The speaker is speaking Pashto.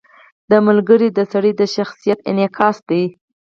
• ملګری د سړي د شخصیت انعکاس دی.